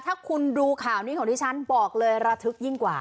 ถ้าคุณดูข่าวนี้ของที่ฉันบอกเลยระทึกยิ่งกว่า